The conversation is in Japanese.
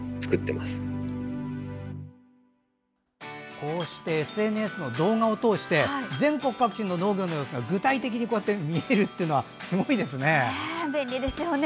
こうしてＳＮＳの動画を通して全国各地の農業の様子が具体的に見えるのはすごいですよね。